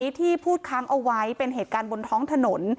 ที่พูดค้างเอาไว้เป็นเหตุการณ์บนท้องถนน